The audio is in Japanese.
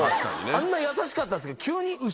あんな優しかったですけど急に。